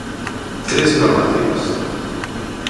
Tres normativas.